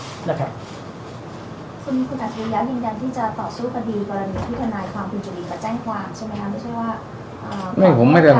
คุณอาจารย์ยังยังที่จะต่อสู้ประดีการพิจารณาความผิดจุดีกับแจ้งความใช่ไหมนะ